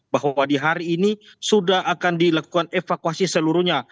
bahwa di hari ini sudah akan dilakukan evakuasi seluruhnya